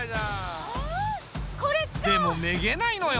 でもめげないのよ